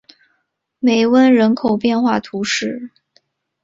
梅翁人口变化图示